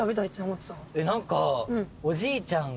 何か。